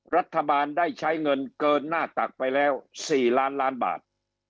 รัฐบาลได้ใช้เงินเกินหน้าตักไปแล้ว๔ล้านล้านบาท